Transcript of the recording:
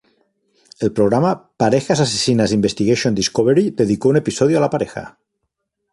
El programa Parejas Asesinas Investigation Discovery, dedicó un episodio a la pareja.